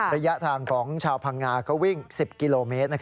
ระยะทางของชาวพังงาก็วิ่ง๑๐กิโลเมตร